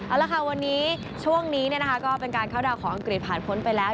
เอาละค่ะวันนี้ช่วงนี้ก็เป็นการเข้าดาวนของอังกฤษผ่านพ้นไปแล้ว